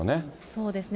そうですね。